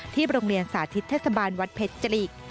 โรงเรียนสาธิตเทศบาลวัดเพชรจริก